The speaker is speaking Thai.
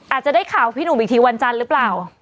อาจจะได้ข่าวพี่หนุ่มอีกทีวันจันทร์หรือเปล่า